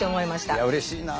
いやうれしいな。